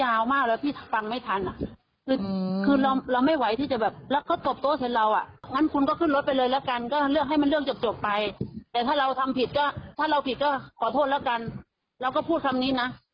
อ้าวแล้วคุณเจ็บประจานเราทำไม